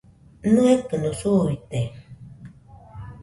¿Nɨekɨno suite?